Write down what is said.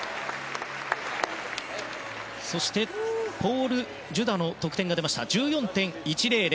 そしてポール・ジュダの得点は１４．１００。